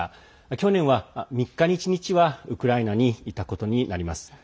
去年は、３日に１日はウクライナにいたことになります。